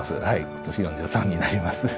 今年４３になります。